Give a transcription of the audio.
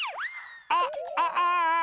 あっあああ！